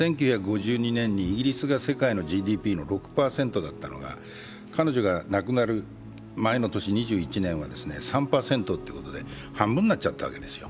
１９５２年にイギリスが世界のＧＤＰの６％だったのが彼女が亡くなる前の年、２１年は３％ということで半分になっちゃったわけですよ。